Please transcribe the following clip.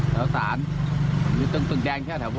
ใช่ครับตึกแดงครับ